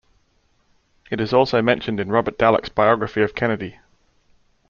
It is also mentioned in Robert Dallek's biography of Kennedy, "".